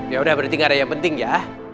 yaudah berarti gak ada yang penting ya